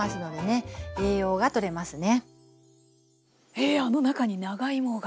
へえあの中に長芋が。